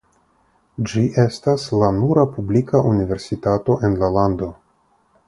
Ĝi estas la nura publika universitato en la lando.